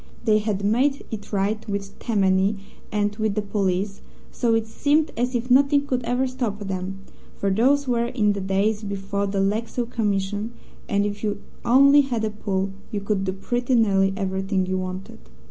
They had made it right with Tammany and with the police, so it seemed as if nothing could ever stop them, for those were in the days before the Lexow Commission, and if you only had a pull, you could do pretty nearly everything you wanted.